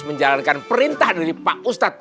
menjalankan perintah dari pak ustadz